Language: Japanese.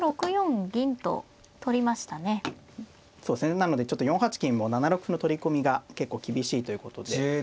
なのでちょっと４八金も７六歩の取り込みが結構厳しいということで。